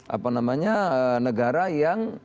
apa namanya negara yang